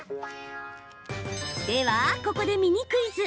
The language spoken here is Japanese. では、ここでミニクイズ。